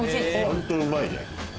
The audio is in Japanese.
ホントにうまいね。